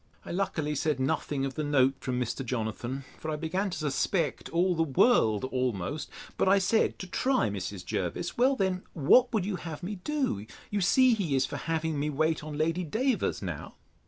I luckily said nothing of the note from Mr. Jonathan; for I began to suspect all the world almost: but I said, to try Mrs. Jervis, Well then, what would you have me do? You see he is for having me wait on Lady Davers now.